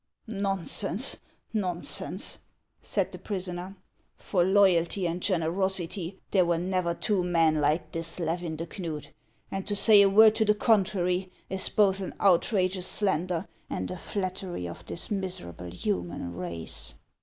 " Nonsense ! nonsense," said the prisoner ;" for loyalty and generosity, there were never two men like this Levin de Knud, and to say a word to the contrary is both an outrageous slander and a flattery of this miserable human race."